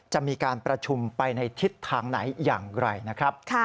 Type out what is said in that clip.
จะมีการประชุมไปในทิศทางไหนอย่างไรนะครับ